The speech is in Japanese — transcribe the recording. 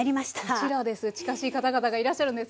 こちらです。